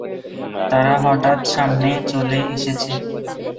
তারা হঠাৎ সামনে চলে এসেছে।